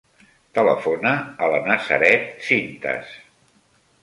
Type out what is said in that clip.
Telefona a la Nazaret Cintas.